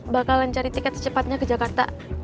bakalan cari tiket secepatnya ke jakarta